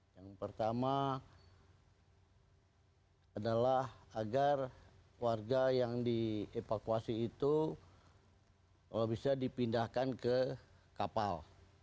yang pertama adalah agar warga yang dievakuasi itu bisa dipindahkan ke kapal